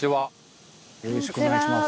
よろしくお願いします。